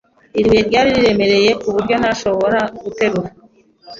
Iri buye ryari riremereye kuburyo ntashobora guterura.